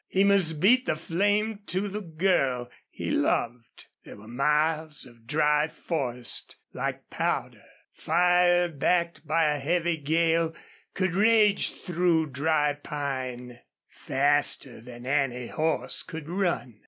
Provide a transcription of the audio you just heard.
He must beat the flame to the girl he loved. There were miles of dry forest, like powder. Fire backed by a heavy gale could rage through dry pine faster than any horse could run.